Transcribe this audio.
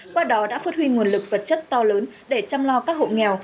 qua đó đã phát huy nguồn lực vật chất to lớn để chăm lo các hộ nghèo